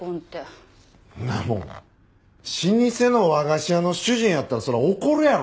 そんなもん老舗の和菓子屋の主人やったらそりゃ怒るやろ。